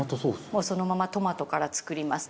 もうそのままトマトから作ります。